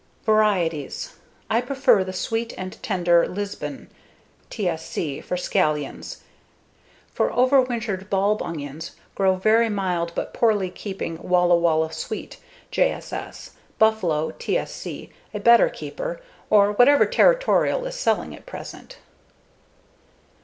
Varieties: I prefer the sweet and tender Lisbon (TSC) for scallions. For overwintered bulb onions, grow very mild but poorly keeping Walla Walla Sweet (JSS), Buffalo (TSC), a better keeper, or whatever Territorial is selling at present.